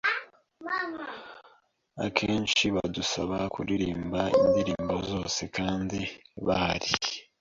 akenshi badusaba kuririmba indirimbo zabo kandi bahari,